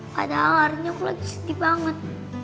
padahal hari ini aku lagi sedih banget